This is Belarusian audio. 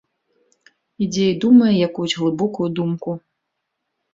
Ідзе і думае якуюсь глыбокую думку.